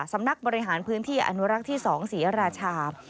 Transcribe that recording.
สำนักบริหารพื้นที่อนุรักษ์ที่๒ศรีราชา